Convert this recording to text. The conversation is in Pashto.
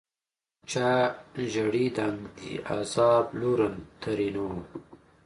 چا ژړېدنک دي عذاب لورن؛ ترينو